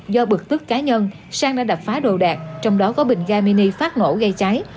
do bực tức cá nhân sang đã đập phá đồ đạc trong đó có bình ga mini phát nổ gây cháy